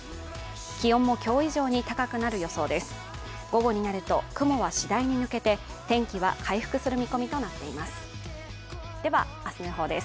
気温も今日以上に高くなる予想です。